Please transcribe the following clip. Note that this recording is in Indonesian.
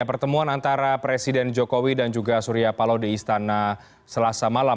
pertemuan antara presiden jokowi dan juga surya palo di istana selasa malam